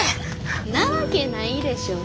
なわけないでしょ。